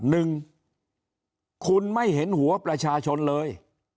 หนึ่งคุณไม่เห็นหัวประชาชนเลย